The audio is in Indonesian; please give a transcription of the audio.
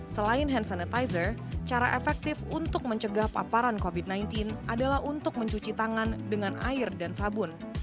selain hand sanitizer cara efektif untuk mencegah paparan covid sembilan belas adalah untuk mencuci tangan dengan air dan sabun